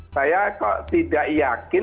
saya kok tidak yakin